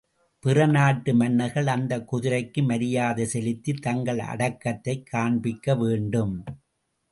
பிற நாட்டு மன்னர்கள், அந்தக் குதிரைக்கு மரியாதை செலுத்தி தங்கள் அடக்கத்தைக் காண்பிக்க வேண்டும்.